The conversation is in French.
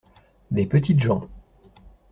Des petites gens.